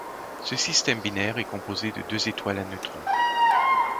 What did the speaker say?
Ce système binaire est composé de deux étoiles à neutrons.